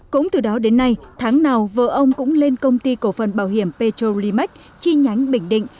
cũng từ đó đến nay tháng nào vợ ông cũng lên công ty cổ phần bảo hiểm petrolimax chi nhánh bình định